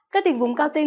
các tỉnh vùng cao tinh